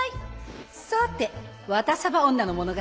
さてワタサバ女の物語。